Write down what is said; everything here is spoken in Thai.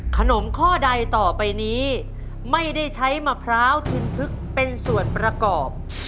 ข้อใดต่อไปนี้ไม่ได้ใช้มะพร้าวทินทึกเป็นส่วนประกอบ